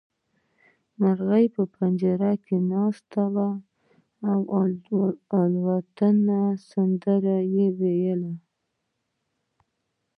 مرغۍ په پنجره کې ناسته وه او د الوتنې سندرې يې ويلې.